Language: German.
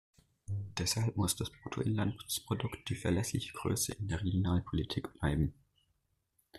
Deshalb muss das Bruttoinlandsprodukt die verlässliche Größe in der Regionalpolitik bleiben.